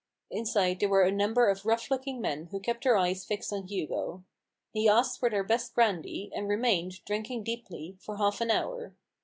Inside there were a number of rough looking men, who kept their eyes fixed on Hugo. He asked for the best brandy, and remained, drinking deeply, for half an hour.